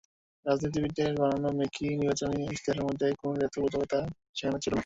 রাজনীতিবিদদের বানানো মেকি নির্বাচনী ইশতেহারের মতো কোনো দ্ব্যর্থবোধকতা সেখানে ছিল না।